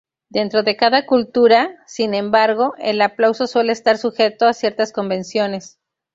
Dentro de cada cultura, sin embargo, el aplauso suele estar sujeto a ciertas convenciones.